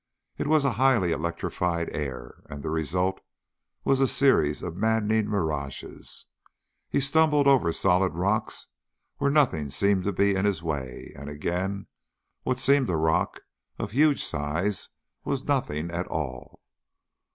It was a highly electrified air, and the result was a series of maddening mirages. He stumbled over solid rocks where nothing seemed to be in his way; and again what seemed a rock of huge size was nothing at all.